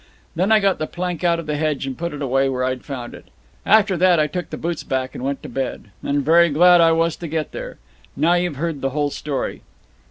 Then I got the plank out of the hedge and put it away where I'd found it. After that, I took the boots back, and went to bed; and very glad I was to get there. Now you've heard the whole story."